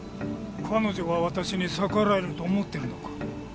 彼女が私に逆らえると思ってるのか？